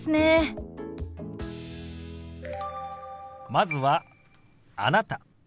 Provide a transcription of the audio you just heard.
まずは「あなた」。